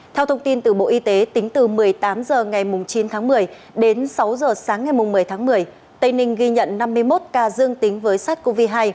theo thông tin từ bộ y tế tính từ một mươi tám h ngày chín tháng một mươi đến sáu h sáng ngày một mươi tháng một mươi tây ninh ghi nhận năm mươi một ca dương tính với sars cov hai